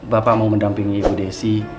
bapak mau mendampingi ibu desi